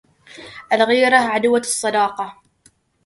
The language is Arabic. الغيرة عدوةُ الصداقة.